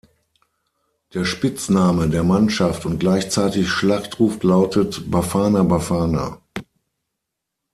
Der Spitzname der Mannschaft und gleichzeitig Schlachtruf lautet "Bafana Bafana".